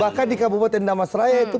bahkan di kabupaten damasraya itu